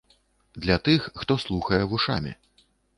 Для тых, хто слухае вушамі.